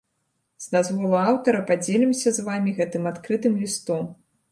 З дазволу аўтара падзелімся з вамі гэтым адкрытым лістом.